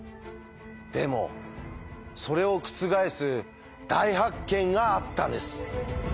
でもそれを覆す大発見があったんです。